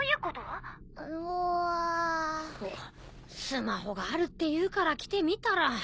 スマホがあるっていうから来てみたら。